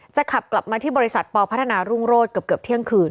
ขับกลับมาที่บริษัทปพัฒนารุ่งโรศเกือบเที่ยงคืน